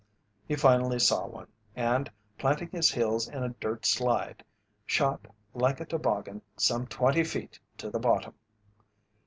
He finally saw one, and planting his heels in a dirt slide, shot like a toboggan some twenty feet to the bottom.